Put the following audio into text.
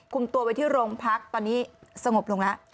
ตัวไปที่โรงพักตอนนี้สงบลงแล้ว